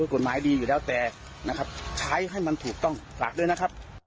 กฎหมายดีอยู่แล้วแต่นะครับใช้ให้มันถูกต้องฝากด้วยนะครับ